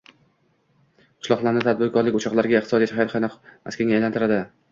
– qishloqlarni tadbirkorlik o‘choqlariga, iqtisodiy hayot qaynagan maskanga aylantiradi.